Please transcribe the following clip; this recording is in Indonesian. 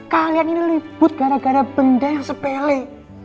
kalian ini ribut gara gara benda yang sepele